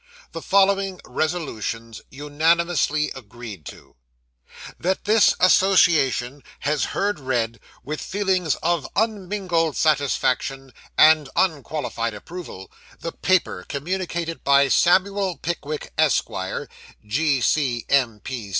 The following resolutions unanimously agreed to: 'That this Association has heard read, with feelings of unmingled satisfaction, and unqualified approval, the paper communicated by Samuel Pickwick, Esq., G.C.M.